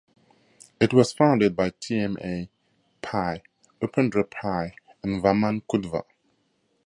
It was founded by T M A Pai, Upendra Pai and Vaman Kudva.